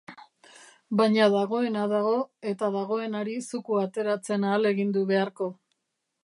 Baina dagoena dago, eta dagoenari zukua ateratzen ahalegindu beharko.